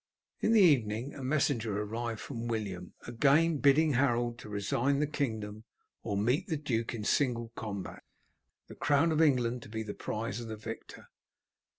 In the evening a messenger arrived from William, again bidding Harold resign the kingdom or meet the duke in single combat, the crown of England to be the prize of the victor.